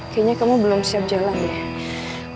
kayanya kamu belum siap jalan deh